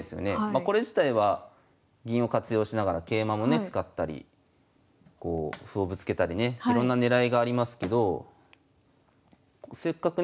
これ自体は銀を活用しながら桂馬もね使ったりこう歩をぶつけたりねいろんな狙いがありますけどせっかくね